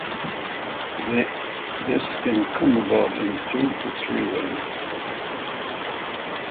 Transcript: This can come about in two to three ways.